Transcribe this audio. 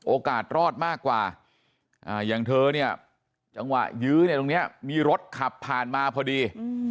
โอกาสรอดมากกว่าอย่างเธอเนี่ยจังหวะยื้อเนี่ยตรงนี้มีรถขับผ่านมาพอดี